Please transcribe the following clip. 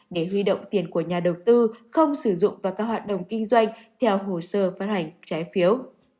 để huy động tiền của nhà đầu tư không sử dụng vào các hoạt động kinh doanh theo hồ sơ phát hành trái phiếu